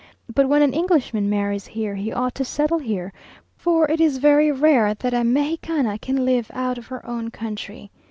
But when an Englishman marries here, he ought to settle here, for it is very rare that a Mexicaine can live out of her own country.